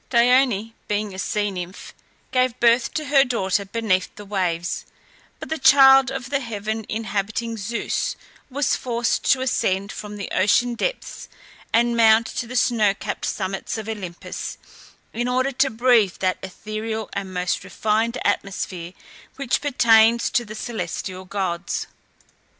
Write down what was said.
Dione, being a sea nymph, gave birth to her daughter beneath the waves; but the child of the heaven inhabiting Zeus was forced to ascend from the ocean depths and mount to the snow capped summits of Olympus, in order to breathe that ethereal and most refined atmosphere which pertains to the celestial gods.